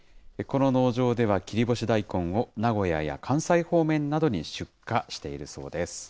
この農場では、切り干し大根を、名古屋や関西方面などに出荷しているそうです。